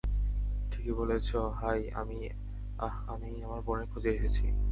ঠিক বলেছ হাই, আমি, আহ আমি আমার বোনের খোঁজে এসেছি।